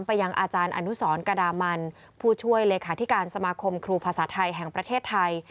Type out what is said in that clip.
ไปยังอาจารย์อนุสรกระดามันผู้ช่วยเลขาธิการสมาคมครูภาษาไทยแห่งประเทศไทย